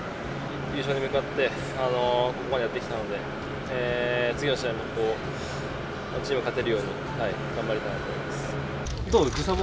優勝に向かってこれまでやってきたので次の試合もチームが勝てるように頑張りたいと思います。